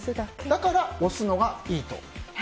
だから、押すのがいいと。